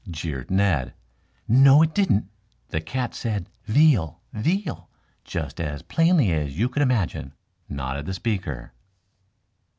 '" jeered Ned. "No it didn't. The cat said 'Veal, Veal,' just as plainly as you could imagine," nodded the speaker.